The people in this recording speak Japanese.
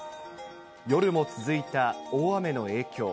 夜も続いた大雨の影響。